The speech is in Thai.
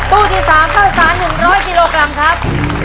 ตู้ที่๓ข้าวสาร๑๐๐กิโลกรัมครับ